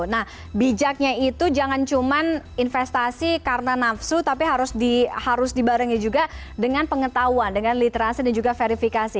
nah bijaknya itu jangan cuma investasi karena nafsu tapi harus dibarengi juga dengan pengetahuan dengan literasi dan juga verifikasi